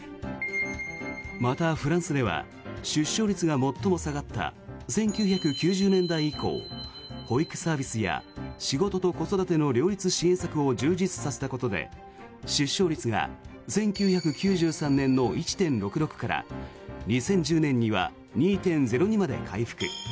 また、フランスでは出生率が最も下がった１９９０年代以降保育サービスや仕事と子育ての両立支援策を充実させたことで出生率が１９９３年の１．６６から２０１０年には２．０２まで回復。